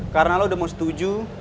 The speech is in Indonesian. karena lo udah mau setuju